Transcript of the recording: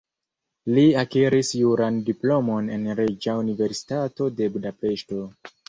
Li akiris juran diplomon en Reĝa Universitato de Budapeŝto.